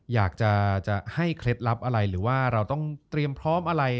อยากจะให้เคล็ดลับอะไรหรือว่าเราต้องเตรียมพร้อมอะไร